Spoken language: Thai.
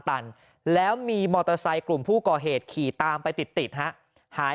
ตันแล้วมีมอเตอร์ไซค์กลุ่มผู้ก่อเหตุขี่ตามไปติดติดฮะหาย